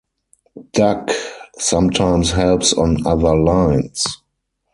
Duck sometimes helps on other lines.